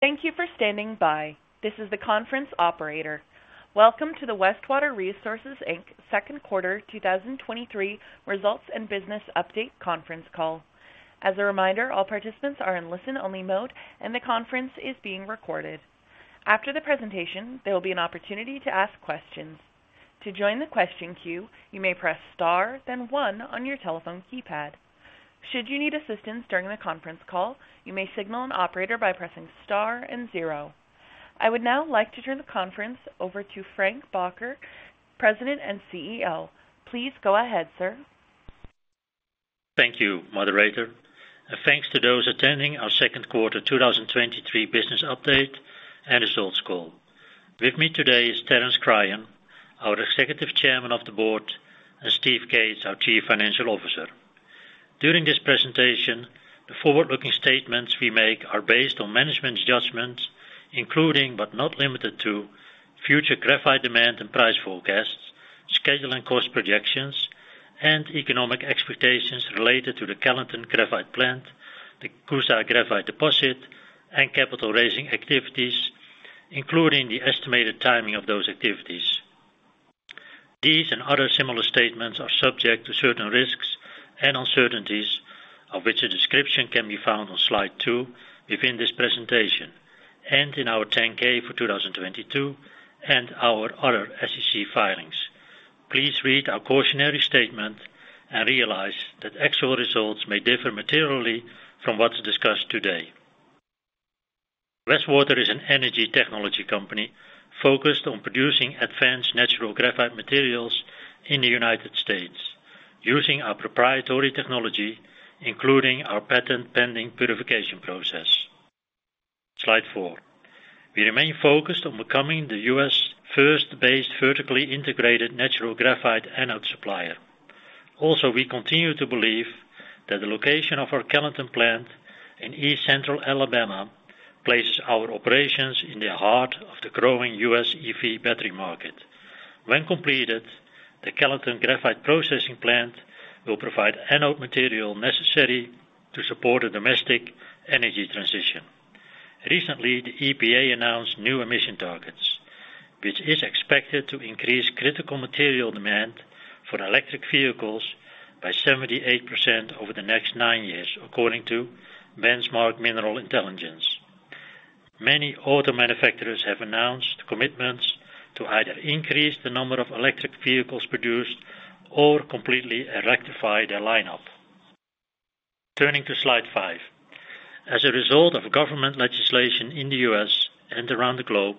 Thank you for standing by. This is the conference operator. Welcome to the Westwater Resources, Inc. Second Quarter, 2023 Results and Business Update conference call. As a reminder, all participants are in listen-only mode, and the conference is being recorded. After the presentation, there will be an opportunity to ask questions. To join the question queue, you may press star, then one on your telephone keypad. Should you need assistance during the conference call, you may signal an operator by pressing star and zero. I would now like to turn the conference over to Frank Bakker, President and CEO. Please go ahead, sir. Thank you, moderator, and thanks to those attending our Second Quarter 2023 Business Update and Results call. With me today is Terence Cryan, our Executive Chairman of the Board, and Steve Cates, our Chief Financial Officer. During this presentation, the forward-looking statements we make are based on management's judgment, including, but not limited to future graphite demand and price forecasts, schedule and cost projections, and economic expectations related to the Kellyton Graphite Plant, the Coosa Graphite Deposit, and capital raising activities, including the estimated timing of those activities. These and other similar statements are subject to certain risks and uncertainties, of which a description can be found on slide two within this presentation and in our 10-K for 2022 and our other SEC filings. Please read our cautionary statement and realize that actual results may differ materially from what's discussed today. Westwater is an energy technology company focused on producing advanced natural graphite materials in the United States, using our proprietary technology, including our patent-pending purification process. Slide four. We remain focused on becoming the U.S. first-based, vertically integrated natural graphite anode supplier. Also, we continue to believe that the location of our Kellyton plant in East Central Alabama places our operations in the heart of the growing U.S. EV battery market. When completed, the Kellyton Graphite processing plant will provide anode material necessary to support a domestic energy transition. Recently, the EPA announced new emission targets, which is expected to increase critical material demand for electric vehicles by 78% over the next nine years, according to Benchmark Mineral Intelligence. Many auto manufacturers have announced commitments to either increase the number of electric vehicles produced or completely electrify their lineup. Turning to slide five. As a result of government legislation in the U.S. and around the globe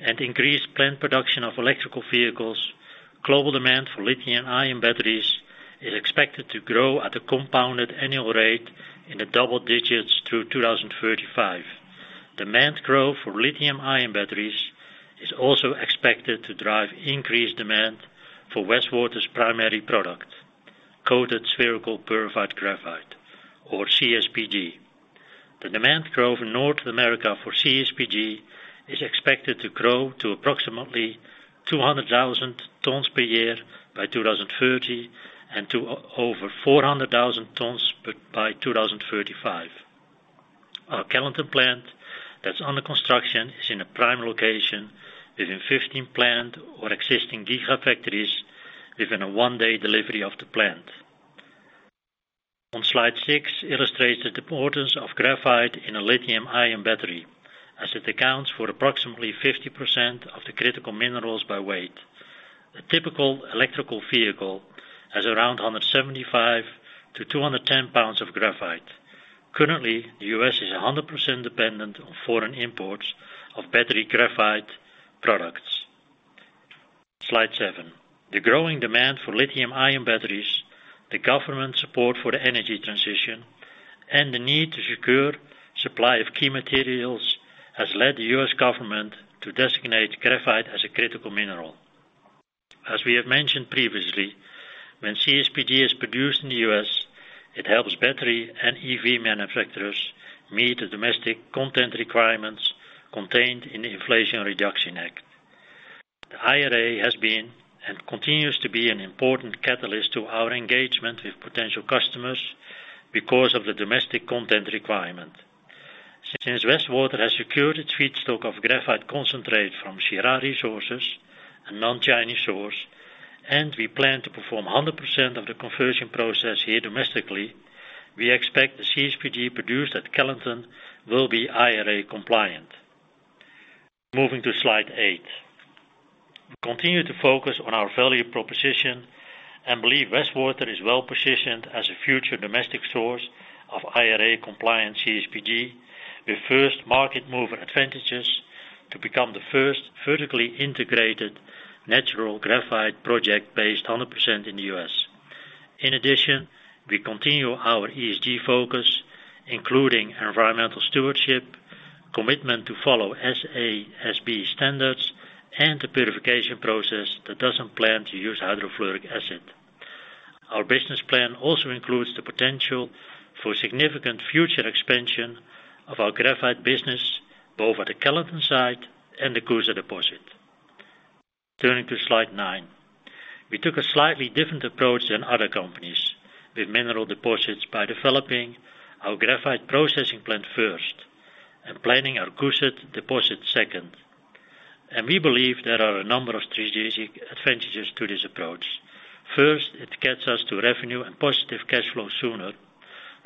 and increased plant production of electrical vehicles, global demand for lithium-ion batteries is expected to grow at a compounded annual rate in the double-digits through 2035. Demand growth for lithium-ion batteries is also expected to drive increased demand for Westwater's primary product, coated spherical purified graphite or CSPG. The demand growth in North America for CSPG is expected to grow to approximately 200,000 tons per year by 2030, and to over 400,000 tons per, by 2035. Our Kellyton plant that's under construction is in a prime location within 15 plant or existing gigafactories within a one-day delivery of the plant. On Slide six illustrates the importance of graphite in a lithium-ion battery, as it accounts for approximately 50% of the critical minerals by weight. A typical electrical vehicle has around 175 lbs. to 210 lbs. of graphite. Currently, the U.S. is 100% dependent on foreign imports of battery graphite products. Slide seven. The growing demand for lithium-ion batteries, the government support for the energy transition, and the need to secure supply of key materials has led the U.S. government to designate graphite as a critical mineral. As we have mentioned previously, when CSPG is produced in the U.S., it helps battery and EV manufacturers meet the domestic content requirements contained in the Inflation Reduction Act. The IRA has been and continues to be an important catalyst to our engagement with potential customers because of the domestic content requirement. Since Westwater has secured its feedstock of graphite concentrate from Syrah Resources, a non-Chinese source, and we plan to perform 100% of the conversion process here domestically, we expect the CSPG produced at Kellyton will be IRA compliant. Moving to slide eight. We continue to focus on our value proposition and believe Westwater is well-positioned as a future domestic source of IRA compliant CSPG, with first market mover advantages to become the first vertically integrated natural graphite project based 100% in the U.S. In addition, we continue our ESG focus, including environmental stewardship, commitment to follow SASB standards, and the purification process that doesn't plan to use hydrofluoric acid. Our business plan also includes the potential for significant future expansion of our graphite business, both at the Kellyton site and the Coosa deposit. Turning to slide nine. We took a slightly different approach than other companies with mineral deposits by developing our graphite processing plant first and planning our Coosa deposit second. We believe there are a number of strategic advantages to this approach. First, it gets us to revenue and positive cash flow sooner.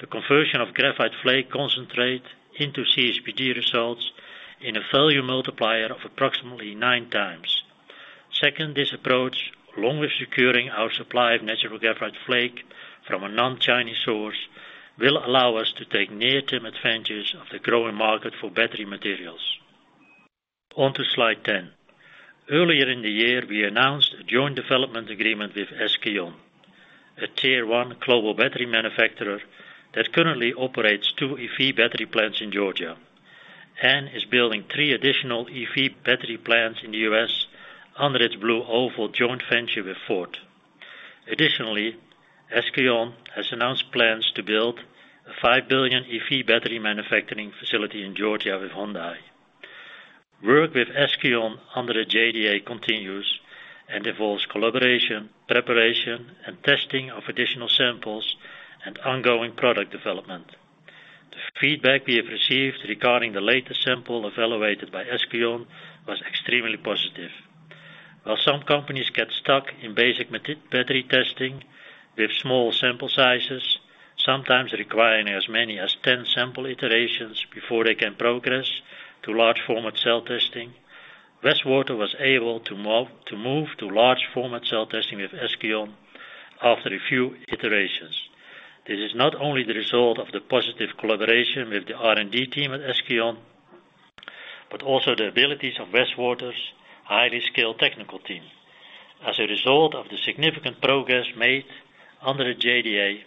The conversion of graphite flake concentrate into CSPG results in a value multiplier of approximately 9x. Second, this approach, along with securing our supply of natural graphite flake from a non-Chinese source will allow us to take near-term advantages of the growing market for battery materials. On to slide 10. Earlier in the year, we announced a joint development agreement with SK On, a Tier One global battery manufacturer that currently operates two EV battery plants in Georgia, and is building three additional EV battery plants in the U.S. under its BlueOval SK joint venture with Ford. Additionally, SK On has announced plans to build a $5 billion EV battery manufacturing facility in Georgia with Hyundai. Work with SK On under the JDA continues and involves collaboration, preparation, and testing of additional samples and ongoing product development. The feedback we have received regarding the latest sample evaluated by SK On was extremely positive. While some companies get stuck in basic battery testing with small sample sizes, sometimes requiring as many as 10 sample iterations before they can progress to large format cell testing, Westwater was able to move to large format cell testing with SK On after a few iterations. This is not only the result of the positive collaboration with the R&D team at SK On, but also the abilities of Westwater's highly skilled technical team. As a result of the significant progress made under the JDA,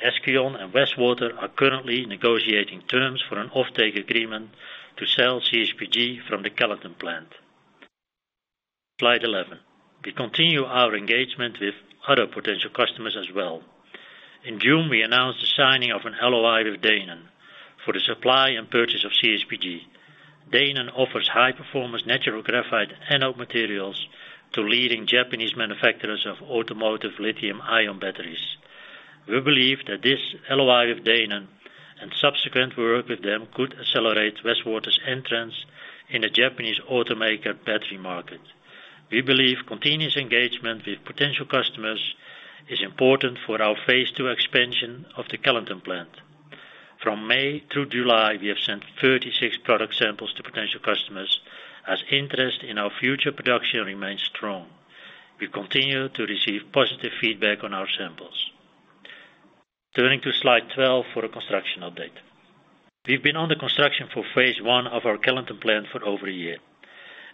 SK On and Westwater are currently negotiating terms for an offtake agreement to sell CSPG from the Kellyton plant. Slide 11. We continue our engagement with other potential customers as well. In June, we announced the signing of an LOI with Dainen for the supply and purchase of CSPG. Dainen offers high-performance natural graphite anode materials to leading Japanese manufacturers of automotive lithium-ion batteries. We believe that this LOI with Dainen and subsequent work with them could accelerate Westwater's entrance in the Japanese automaker battery market. We believe continuous engagement with potential customers is important for our phase II expansion of the Kellyton plant. From May through July, we have sent 36 product samples to potential customers as interest in our future production remains strong. We continue to receive positive feedback on our samples. Turning to slide 12 for a construction update. We've been under construction for phase I of our Kellyton plant for over one year,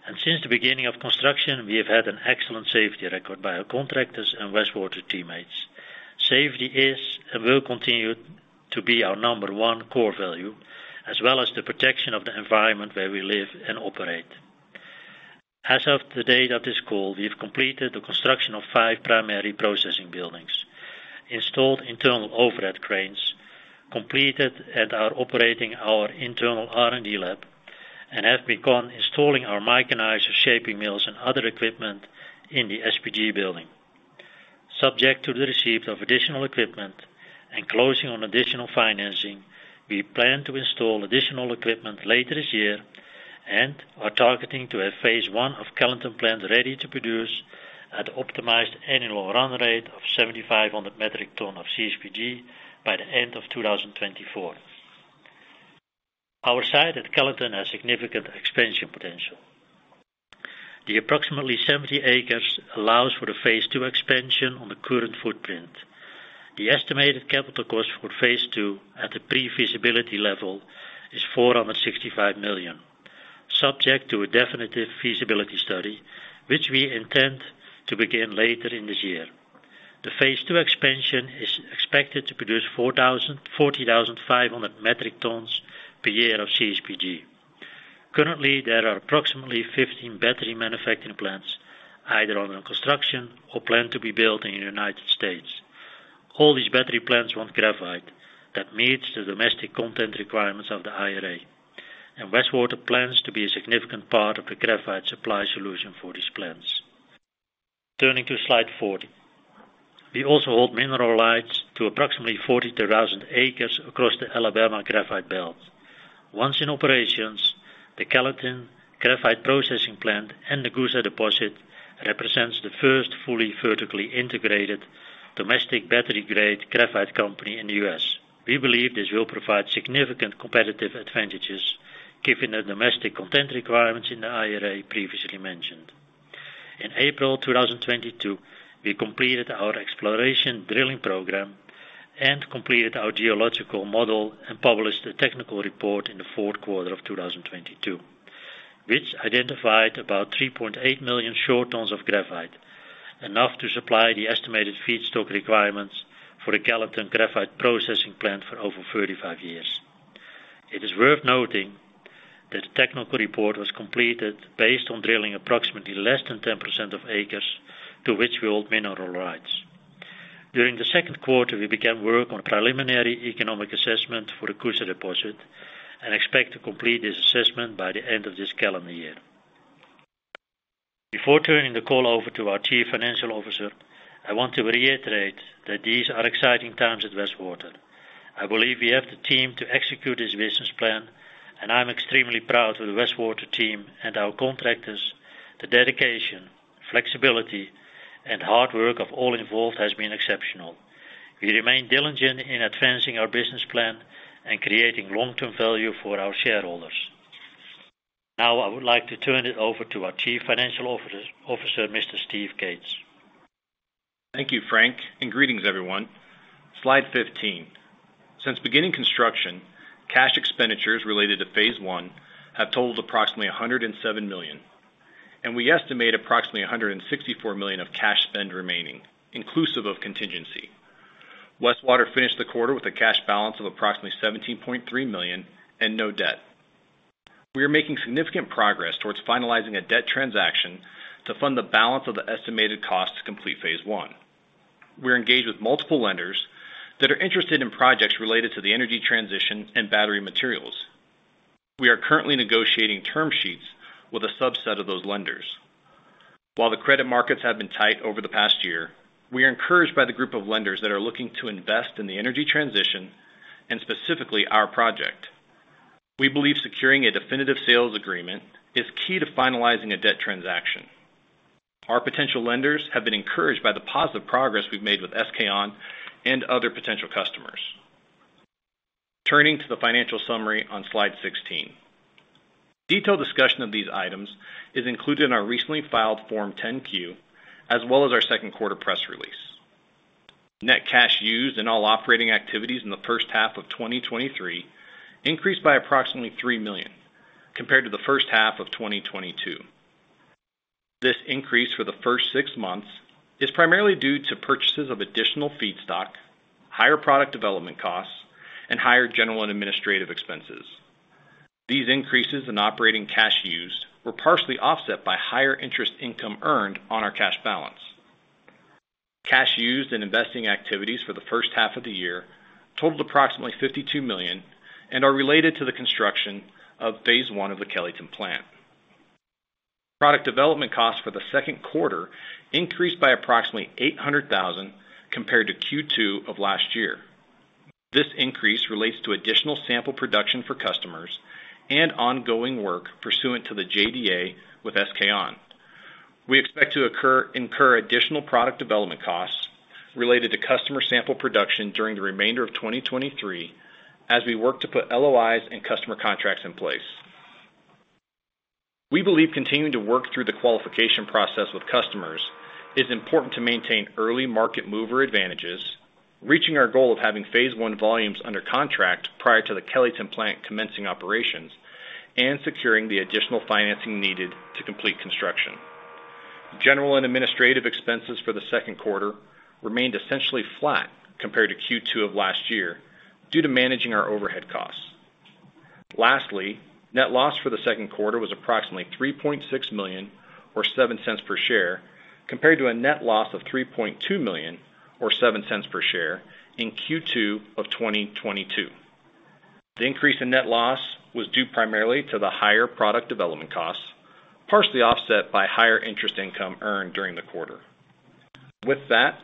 and since the beginning of construction, we have had an excellent safety record by our contractors and Westwater teammates. Safety is and will continue to be our number one core value, as well as the protection of the environment where we live and operate. As of the date of this call, we have completed the construction of five primary processing buildings, installed internal overhead cranes, completed and are operating our internal R&D lab, and have begun installing our micronizer shaping mills, and other equipment in the SPG building. Subject to the receipt of additional equipment and closing on additional financing, we plan to install additional equipment later this year and are targeting to have phase I of Kellyton plant ready to produce at optimized annual run rate of 7,500 metric ton of CSPG by the end of 2024. Our site at Kellyton has significant expansion potential. The approximately 70 acres allows for a phase II expansion on the current footprint. The estimated capital cost for phase two at the pre-feasibility level is $465 million, subject to a definitive feasibility study, which we intend to begin later in this year. The phase II expansion is expected to produce 40,500 metric tons per year of CSPG. Currently, there are approximately 15 battery manufacturing plants, either under construction or planned to be built in the United States. All these battery plants want graphite that meets the domestic content requirements of the IRA. Westwater plans to be a significant part of the graphite supply solution for these plants. Turning to slide 14. We also hold mineral rights to approximately 42,000 acres across the Alabama Graphite Belt. Once in operations, the Kellyton Graphite Plant and the Coosa deposit represents the first fully vertically integrated domestic battery-grade graphite company in the U.S. We believe this will provide significant competitive advantages, given the domestic content requirements in the IRA previously mentioned. In April 2022, we completed our exploration drilling program and completed our geological model and published a technical report in the fourth quarter of 2022, which identified about 3.8 million short tons of graphite, enough to supply the estimated feedstock requirements for the Kellyton Graphite Plant for over 35 years. It is worth noting that the technical report was completed based on drilling approximately less than 10% of acres to which we hold mineral rights. During the second quarter, we began work on a preliminary economic assessment for the Coosa deposit and expect to complete this assessment by the end of this calendar year. Before turning the call over to our chief financial officer, I want to reiterate that these are exciting times at Westwater. I believe we have the team to execute this business plan, and I'm extremely proud of the Westwater team and our contractors. The dedication, flexibility, and hard work of all involved has been exceptional. We remain diligent in advancing our business plan and creating long-term value for our shareholders. I would like to turn it over to our Chief Financial Officer, Mr. Steve Cates. Thank you, Frank. Greetings, everyone. Slide 15. Since beginning construction, cash expenditures related to phase I have totaled approximately $107 million, and we estimate approximately $164 million of cash spend remaining, inclusive of contingency. Westwater finished the quarter with a cash balance of approximately $17.3 million and no debt. We are making significant progress towards finalizing a debt transaction to fund the balance of the estimated cost to complete phase I. We're engaged with multiple lenders that are interested in projects related to the energy transition and battery materials. We are currently negotiating term sheets with a subset of those lenders. While the credit markets have been tight over the past year, we are encouraged by the group of lenders that are looking to invest in the energy transition and specifically our project. We believe securing a definitive sales agreement is key to finalizing a debt transaction. Our potential lenders have been encouraged by the positive progress we've made with SK On and other potential customers. Turning to the financial summary on slide 16. Detailed discussion of these items is included in our recently filed Form 10-Q, as well as our second quarter press release. Net cash used in all operating activities in the first half of 2023 increased by approximately $3 million compared to the first half of 2022. This increase for the first six months is primarily due to purchases of additional feedstock, higher product development costs, and higher general and administrative expenses. These increases in operating cash used were partially offset by higher interest income earned on our cash balance. Cash used in investing activities for the first half of the year totaled approximately $52 million and are related to the construction of phase I of the Kellyton Plant. Product development costs for the second quarter increased by approximately $800,000 compared to Q2 of last year. This increase relates to additional sample production for customers and ongoing work pursuant to the JDA with SK On. We expect to incur additional product development costs related to customer sample production during the remainder of 2023, as we work to put LOIs and customer contracts in place. We believe continuing to work through the qualification process with customers is important to maintain early market mover advantages, reaching our goal of having phase I volumes under contract prior to the Kellyton Plant commencing operations, and securing the additional financing needed to complete construction. General and administrative expenses for the second quarter remained essentially flat compared to Q2 of last year, due to managing our overhead costs. Lastly, net loss for the second quarter was approximately $3.6 million, or $0.07 per share, compared to a net loss of $3.2 million, or $0.07 per share, in Q2 of 2022. The increase in net loss was due primarily to the higher product development costs, partially offset by higher interest income earned during the quarter. With that,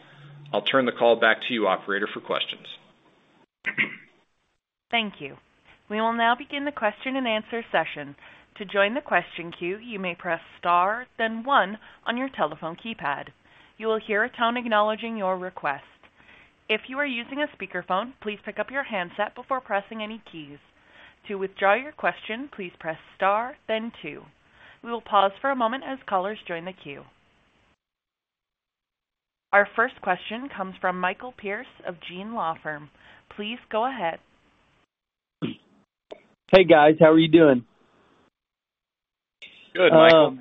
I'll turn the call back to you, operator, for questions. Thank you. We will now begin the question-and-answer session. To join the question queue, you may press star, then one on your telephone keypad. You will hear a tone acknowledging your request. If you are using a speakerphone, please pick up your handset before pressing any keys. To withdraw your question, please press star, then two. We will pause for a moment as callers join the queue. Our first question comes from Michael Pierce of Gean Law Firm. Please go ahead. Hey, guys. How are you doing? Good, Michael.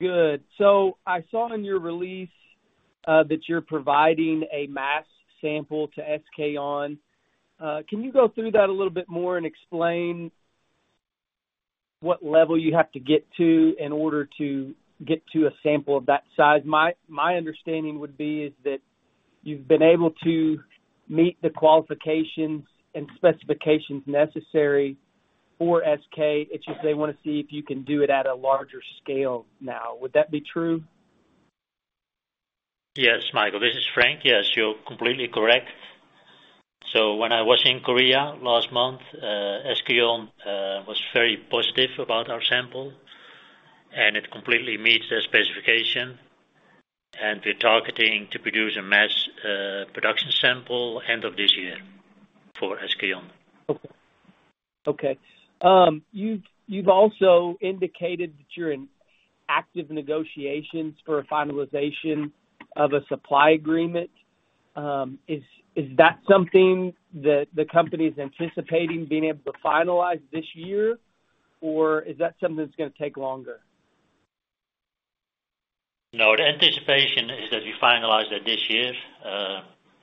Good. I saw in your release, that you're providing a mass sample to SK On. Can you go through that a little bit more and explain what level you have to get to in order to get to a sample of that size? My understanding would be is that you've been able to meet the qualifications and specifications necessary for SK On. It's just they want to see if you can do it at a larger scale now. Would that be true? Yes, Michael, this is Frank. Yes, you're completely correct. When I was in Korea last month, SK On was very positive about our sample, and it completely meets their specification, and we're targeting to produce a mass production sample end of this year for SK On. Okay. Okay. You've also indicated that you're in active negotiations for a finalization of a supply agreement. Is, is that something that the company is anticipating being able to finalize this year, or is that something that's going to take longer? No, the anticipation is that we finalize that this year.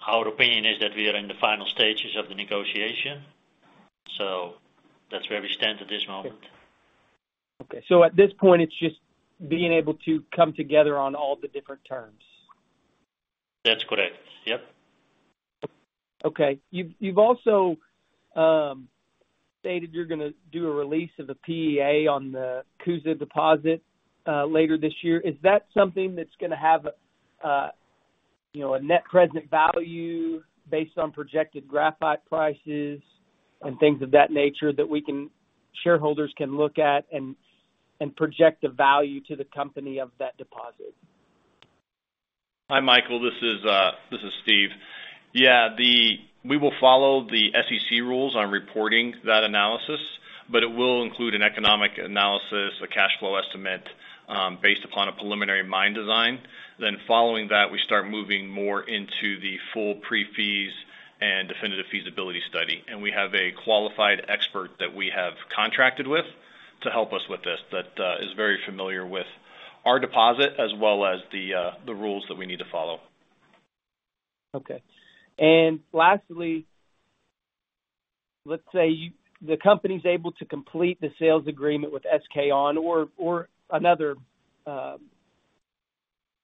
Our opinion is that we are in the final stages of the negotiation. That's where we stand at this moment. Okay, at this point, it's just being able to come together on all the different terms? That's correct. Yep. Okay. You've also stated you're going to do a release of the PEA on the Coosa deposit later this year. Is that something that's going to have a, you know, a net present value based on projected graphite prices and things of that nature, that we can, shareholders can look at and project a value to the company of that deposit? Hi, Michael, this is Steve. Yeah, we will follow the SEC rules on reporting that analysis, but it will include an economic analysis, a cash flow estimate, based upon a preliminary mine design. Then following that, we start moving more into the full pre-feas and definitive feasibility study. We have a qualified expert that we have contracted with to help us with this, that is very familiar with our deposit as well as the rules that we need to follow. Okay. Lastly, let's say the company is able to complete the sales agreement with SK On or another,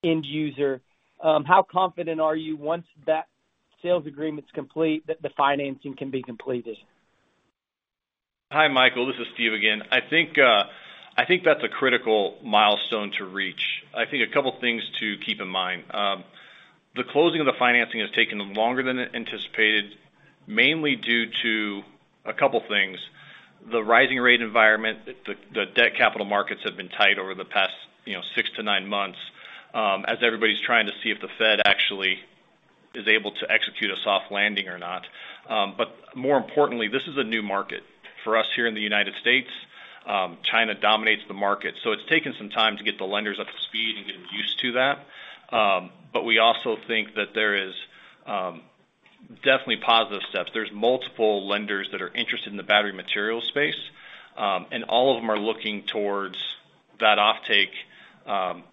end user. How confident are you once that sales agreement's complete that the financing can be completed? Hi, Michael. This is Steve again. I think that's a critical milestone to reach. I think a couple of things to keep in mind. The closing of the financing has taken longer than anticipated, mainly due to a couple things. The rising rate environment, the debt capital markets have been tight over the past, you know, 6 months to 9 months, as everybody's trying to see if the Fed actually is able to execute a soft landing or not. More importantly, this is a new market for us here in the United States. China dominates the market, it's taken some time to get the lenders up to speed and getting used to that. We also think that there is definitely positive steps. There's multiple lenders that are interested in the battery material space, and all of them are looking towards that offtake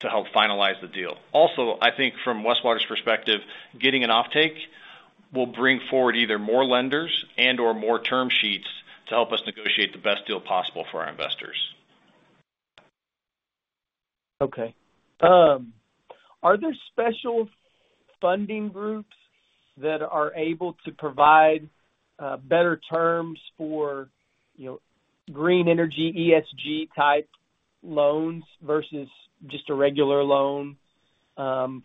to help finalize the deal. Also, I think from Westwater's perspective, getting an offtake will bring forward either more lenders and/or more term sheets to help us negotiate the best deal possible for our investors. Okay. Are there special funding groups that are able to provide better terms for, you know, green energy, ESG-type loans versus just a regular loan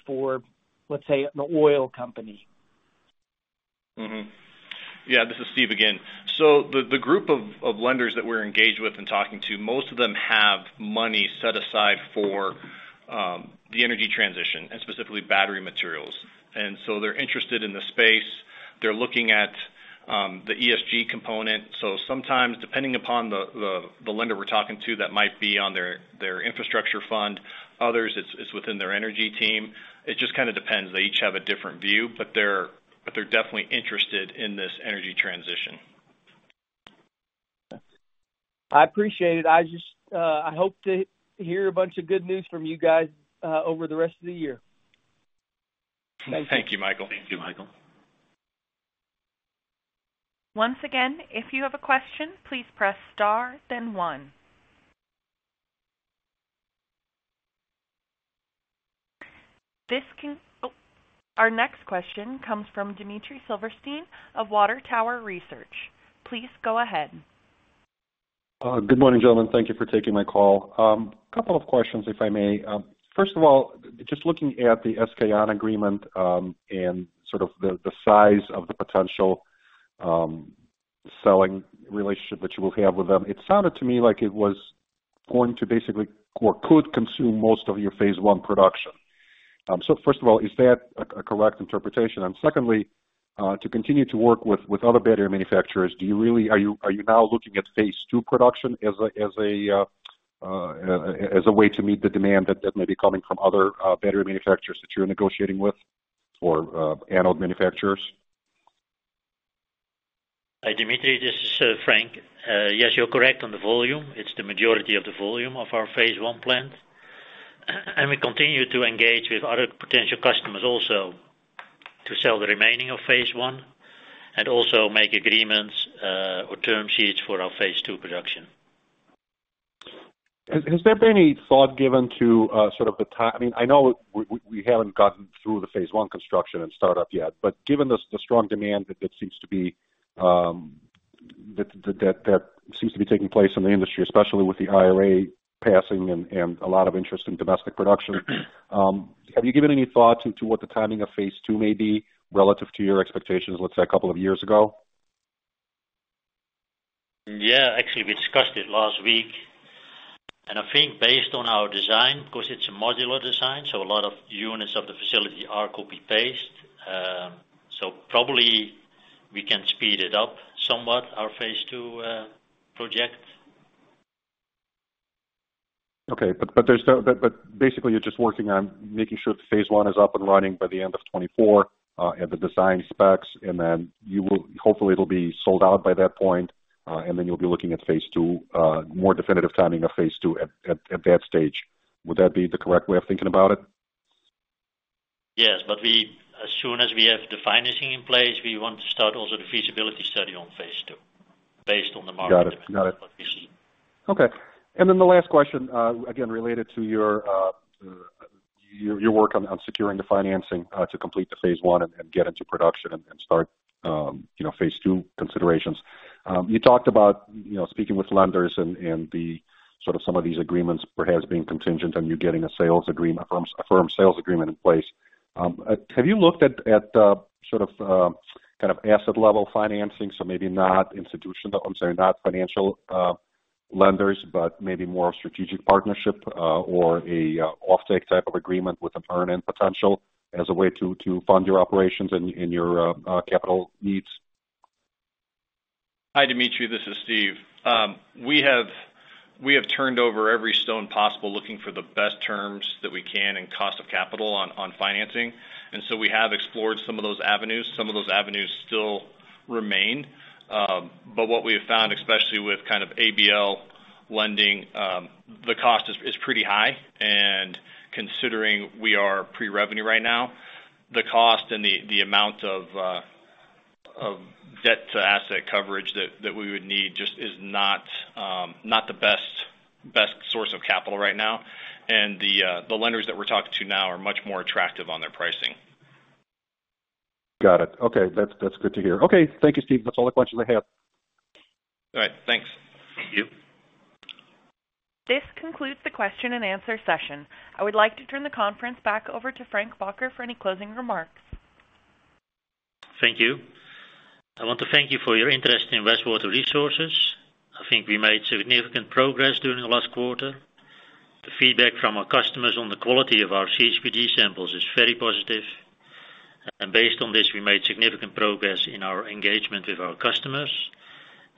for, let's say, an oil company? Yeah, this is Steve again. The, the group of, of lenders that we're engaged with and talking to, most of them have money set aside for the energy transition and specifically battery materials. They're interested in the space. They're looking at the ESG component. Sometimes, depending upon the lender we're talking to, that might be on their, their infrastructure fund. Others, it's, it's within their energy team. It just kind of depends. They each have a different view, but they're, but they're definitely interested in this energy transition. Okay. I appreciate it. I just, I hope to hear a bunch of good news from you guys, over the rest of the year. Thank you, Michael. Thank you, Michael. Once again, if you have a question, please press star then one. Oh, our next question comes from Dmitry Silversteyn of Water Tower Research. Please go ahead. Good morning, gentlemen. Thank you for taking my call. A couple of questions, if I may. First of all, just looking at the SK On agreement, and sort of the, the size of the potential, selling relationship that you will have with them, it sounded to me like it was going to basically, or could consume most of your phase I production. First of all, is that a, a correct interpretation? Secondly, to continue to work with other battery manufacturers, are you, are you now looking at phase II production as a way to meet the demand that, that may be coming from other, battery manufacturers that you're negotiating with for anode manufacturers? Hi, Dmitry, this is Frank. Yes, you're correct on the volume. It's the majority of the volume of our phase I plant. We continue to engage with other potential customers also, to sell the remaining of phase I and also make agreements or term sheets for our phase II production. Has there been any thought given to, sort of the timing, I know we haven't gotten through the phase I construction and startup yet, but given the, the strong demand that, that seems to be, that, that, that seems to be taking place in the industry, especially with the IRA passing and a lot of interest in domestic production, have you given any thought to, to what the timing of phase II may be relative to your expectations, let's say, a couple of years ago? Yeah, actually, we discussed it last week. I think based on our design, because it's a modular design, so a lot of units of the facility are copy-paste. Probably we can speed it up somewhat, our phase II project. Okay. Basically, you're just working on making sure the phase I is up and running by the end of 2024, and the design specs, and then you will, hopefully, it'll be sold out by that point, and then you'll be looking at phase II, more definitive timing of phase II at that stage. Would that be the correct way of thinking about it? Yes, As soon as we have the financing in place, we want to start also the feasibility study on phase II, based on the market. Got it. Got it. Okay. The last question, again, related to your work on, on securing the financing, to complete the phase I and, and get into production and, and start, you know, phase II considerations. You talked about, you know, speaking with lenders and, and the sort of some of these agreements perhaps being contingent on you getting a sales agreement, a firm sales agreement in place. Have you looked at, at, sort of, kind of asset level financing? Maybe not institutional, I'm sorry, not financial, lenders, but maybe more of strategic partnership or a offtake type of agreement with an earn-in potential as a way to, to fund your operations and your capital needs? Hi, Dmitry, this is Steve. We have turned over every stone possible, looking for the best terms that we can and cost of capital on, on financing. We have explored some of those avenues. Some of those avenues still remain. What we have found, especially with kind of ABL lending, the cost is pretty high. Considering we are pre-revenue right now, the cost and the, the amount of debt to asset coverage that, that we would need just is not the best source of capital right now. The lenders that we're talking to now are much more attractive on their pricing. Got it. Okay. That's, that's good to hear. Okay, thank you, Steve. That's all the questions I have. All right, thanks. Thank you. This concludes the question and answer session. I would like to turn the conference back over to Frank Bakker for any closing remarks. Thank you. I want to thank you for your interest in Westwater Resources. I think we made significant progress during the last quarter. The feedback from our customers on the quality of our CSPG samples is very positive. Based on this, we made significant progress in our engagement with our customers,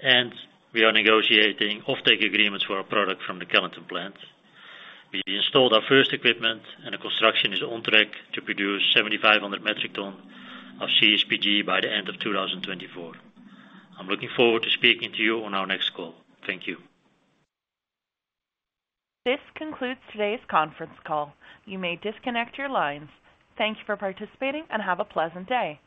and we are negotiating offtake agreements for our product from the Kellyton plant. We installed our first equipment, and the construction is on track to produce 7,500 metric ton of CSPG by the end of 2024. I'm looking forward to speaking to you on our next call. Thank you. This concludes today's conference call. You may disconnect your lines. Thank you for participating and have a pleasant day.